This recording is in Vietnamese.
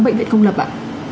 bệnh viện công lập ạ